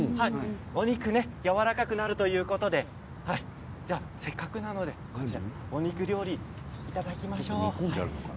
お肉、やわらかくなるということでせっかくなのでお肉料理いただきましょう。